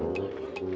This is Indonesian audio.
tidak tidak tidak